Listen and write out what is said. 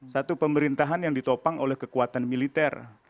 satu pemerintahan yang ditopang oleh kekuatan militer